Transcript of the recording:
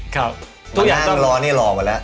มานั่งรอนี่รอหมดละ